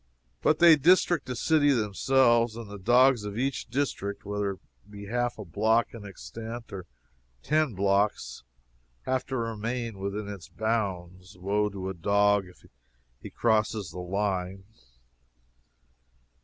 But they district the city themselves, and the dogs of each district, whether it be half a block in extent, or ten blocks, have to remain within its bounds. Woe to a dog if he crosses the line!